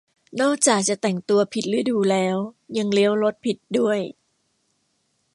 นอกจากจะแต่งตัวผิดฤดูแล้วยังเลี้ยวรถผิดด้วย